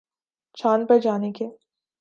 چاند پر جانے کے